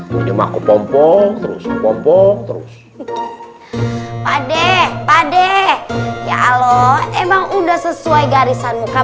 pake pompo terus pompo terus pade pade ya allah emang udah sesuai garisan muka